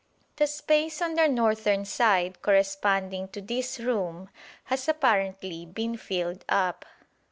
The space on the northern side corresponding to this room has apparently been filled up.